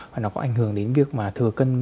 và nó có ảnh hưởng đến việc mà thừa cân